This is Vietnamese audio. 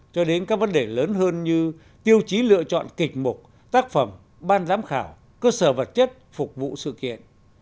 cho đến các vấn đề lớn hơn như tiêu chí lựa chọn kịch mục tác phẩm ban giám khảo cơ sở vật chất phục vụ sự kiện